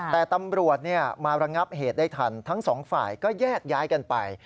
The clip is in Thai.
แต่ตำรวจมาระงับเหตุได้ทันทั้งสองฝ่ายก็แยกย้ายกันไป